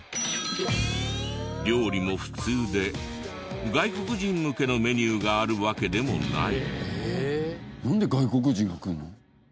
料理も普通で外国人向けのメニューがあるわけでもない。